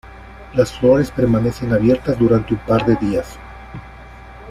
Las flores permanecen abiertas durante un par de días.